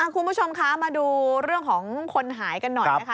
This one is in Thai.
คุณผู้ชมคะมาดูเรื่องของคนหายกันหน่อยนะคะ